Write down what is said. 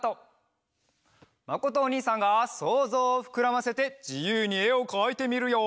まことおにいさんがそうぞうをふくらませてじゆうにえをかいてみるよ！